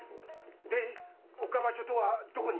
で岡場所とはどこに？